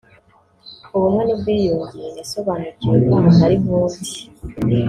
ubumwe n’ubwiyunge yasobanukiwe ko umuntu ari nk’undi